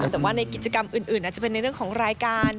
แต่ว่าในกิจกรรมอื่นอาจจะเป็นในเรื่องของรายการ